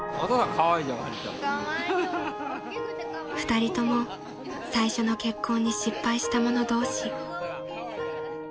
［２人共最初の結婚に失敗した者同士］